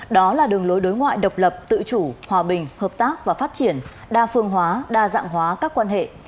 đó là đường lối đối ngoại độc lập tự chủ hòa bình hợp tác và phát triển đa phương hóa đa dạng hóa các quan hệ